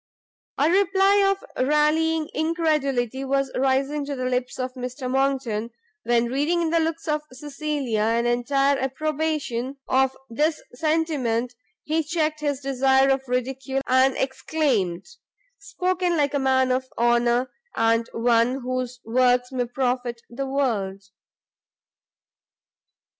A reply of rallying incredulity was rising to the lips of Mr Monckton, when reading in the looks of Cecilia an entire approbation of this sentiment, he checked his desire of ridicule, and exclaimed, "spoken like a man of honour, and one whose works may profit the world!"